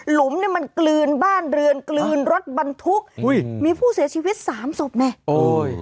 หลุมเนี่ยมันกลืนบ้านเรือนกลืนรถบรรทุกมีผู้เสียชีวิต๓ศพเนี่ย